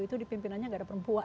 itu dipimpinannya nggak ada perempuan